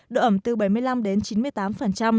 độ ẩm từ bảy mươi năm đến chín mươi tám